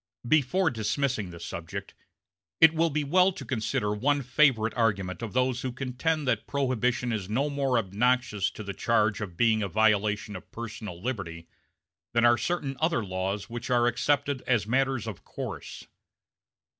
Before dismissing this subject it will be well to consider one favorite argument of those who contend that Prohibition is no more obnoxious to the charge of being a violation of personal liberty than are certain other laws which are accepted as matters of course.